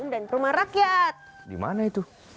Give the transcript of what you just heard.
dan rumah rakyat dimana itu